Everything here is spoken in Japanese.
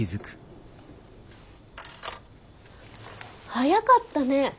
早かったね。